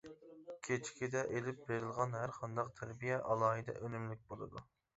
كېچىكىدە ئېلىپ بېرىلغان ھەرقانداق تەربىيە ئالاھىدە ئۈنۈملۈك بولىدۇ.